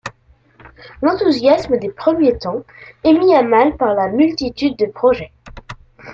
L'enthousiasme des premiers temps est mis à mal par la multitude de projet.